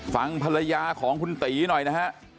ฟังภรรยาของคุณตีหน่อยนะฮะ